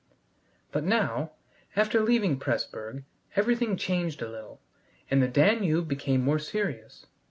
But now, after leaving Pressburg, everything changed a little, and the Danube became more serious.